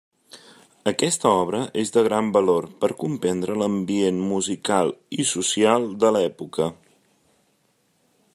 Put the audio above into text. Aquesta obra és de gran valor per comprendre l'ambient musical i social de l'època.